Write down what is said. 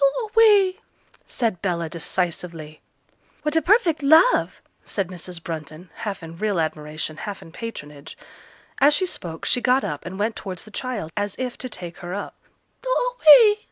'Do away!' said Bella, decisively. 'What a perfect love!' said Mrs. Brunton, half in real admiration, half in patronage. As she spoke, she got up and went towards the child, as if to take her up. 'Do away!